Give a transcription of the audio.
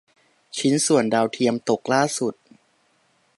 ชิ้นส่วนดาวเทียมตกล่าสุด